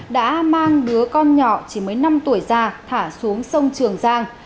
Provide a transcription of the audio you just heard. đã mang đứa con nhỏ chỉ mới năm tuổi ra thả xuống sông trường giang